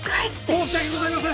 申し訳ございません！